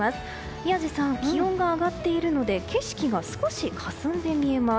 宮司さん気温が上がっているので景色が少しかすんで見えます。